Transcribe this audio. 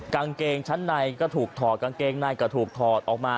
กางเกงชั้นในก็ถูกถอดกางเกงในก็ถูกถอดออกมา